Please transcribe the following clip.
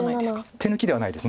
手抜きではないです。